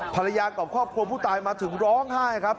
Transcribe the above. ภรรยากับครอบครัวผู้ตายมาถึงร้องไห้ครับ